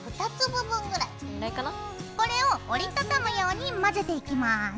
これを折り畳むように混ぜていきます。